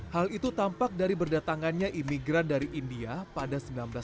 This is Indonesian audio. hal itu tampak dari berdatangannya imigran dari india pada seribu sembilan ratus sembilan puluh